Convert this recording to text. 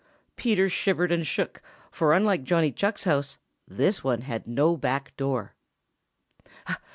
Peter shivered and shook, for unlike Johnny Chuck's house, this one had no back door.